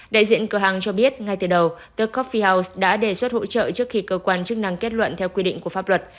đại diện cửa hàng cho biết ngay từ đầu tecoffiels đã đề xuất hỗ trợ trước khi cơ quan chức năng kết luận theo quy định của pháp luật